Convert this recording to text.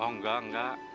oh enggak enggak